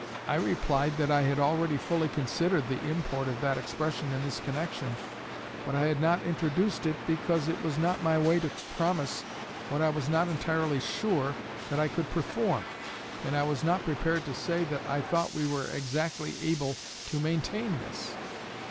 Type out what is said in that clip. "' I replied that I had already fully considered the import of that expression in this connection, but I had not introduced it, because it was not my way to promise what I was not entirely sure that I could perform, and I was not prepared to say that I thought we were exactly able to maintain this.